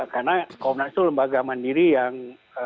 karena komnas itu lembaga mandiri yang